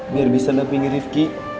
biar bisa daping rifki